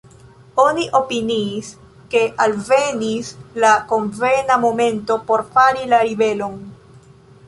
Oni opiniis, ke alvenis la konvena momento por fari la ribelon.